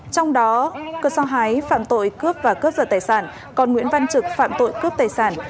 trong đó cơ do hái phạm tội cướp và cướp giật tài sản còn nguyễn văn trực phạm tội cướp tài sản